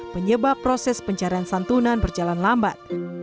penyebab proses pencarian santunan berjalan lambat